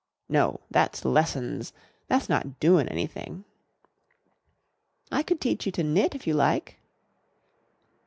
"No, that's lessons. That's not doin' anything!" "I could teach you to knit if you like."